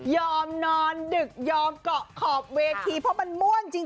นอนดึกยอมเกาะขอบเวทีเพราะมันม่วนจริง